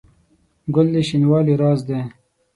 ګل د شینوالي راز دی.